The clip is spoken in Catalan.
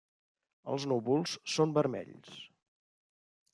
Els núvols són vermells.